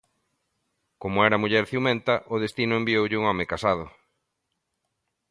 Como era muller ciumenta, o destino envioulle un home casado.